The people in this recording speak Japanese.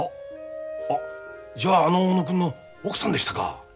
あっじゃああの小野君の奥さんでしたか。